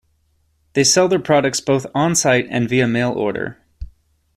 They sell their products both on-site and via mail order.